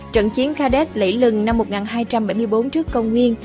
trận chiến khadad lỷ lừng năm một nghìn hai trăm bảy mươi bốn trước công nguyên